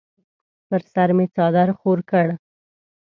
پر سر مې څادر خور کړ.